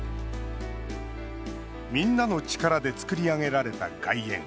みんなの力で造り上げられた外苑。